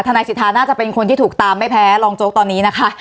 นายสิทธาน่าจะเป็นคนที่ถูกตามไม่แพ้รองโจ๊กตอนนี้นะคะ